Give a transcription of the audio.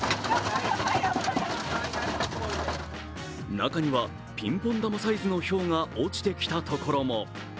中にはピンポン玉サイズのひょうが落ちてきた所も。